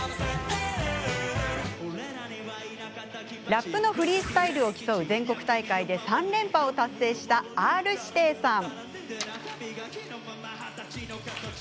ラップのフリースタイルを競う全国大会で三連覇を達成したＲ−指定さん。